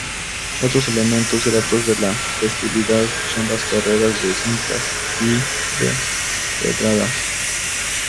Otros elementos gratos de la festividad son las carreras de cintas y de pedradas.